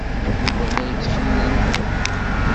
Yuba la yettxemmim.